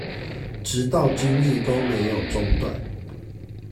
直到今日都沒有中斷